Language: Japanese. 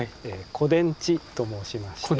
古殿地と申しまして。